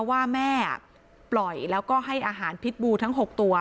ว่าแม่ปล่อยแล้วก็ให้อาหารพิษบูทั้ง๖ตัว